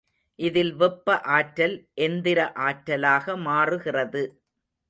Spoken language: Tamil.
இதில் வெப்ப ஆற்றல் எந்திர ஆற்றலாக மாறுகிறது.